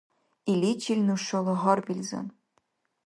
Иличил нушала гьарбилзан.